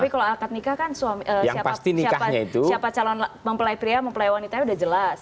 tapi kalau akad nikah kan siapa calon mempelai pria mempelai wanitanya sudah jelas